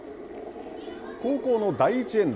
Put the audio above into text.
後攻の第１エンド。